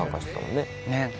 ねっ。